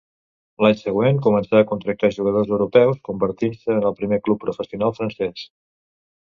L'any següent començà a contractar jugadors europeus, convertint-se en el primer club professional francès.